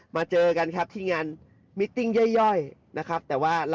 มาเจอกันคีย์งาน